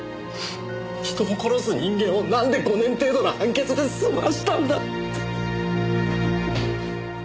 人を殺す人間をなんで５年程度の判決で済ませたんだ！